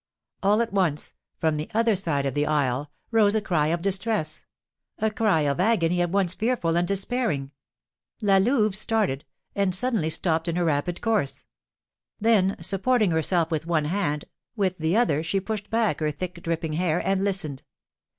All at once, from the other side of the isle, rose a cry of distress, a cry of agony at once fearful and despairing. La Louve started, and suddenly stopped in her rapid course; then supporting herself with one hand, with the other she pushed back her thick, dripping hair, and listened.